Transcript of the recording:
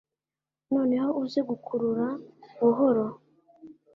noneho uze gukurura buhoro.